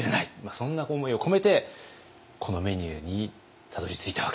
そんな思いを込めてこのメニューにたどりついたわけです。